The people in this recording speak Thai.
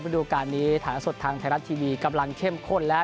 ดูการนี้ฐานสดทางไทยรัฐทีวีกำลังเข้มข้นแล้ว